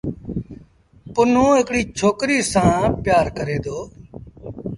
پنهون هڪڙيٚ ڇوڪريٚ سآݩ پيٚآر ڪريٚ دو۔